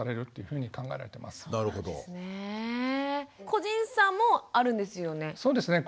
個人差もあるんですよね。